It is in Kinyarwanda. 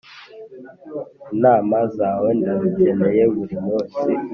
inama zawe ndazikeneye buri munsi